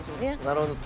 なるほど。